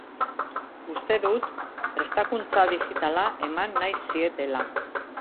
Uste dut prestakuntza digitala eman nahi zietela.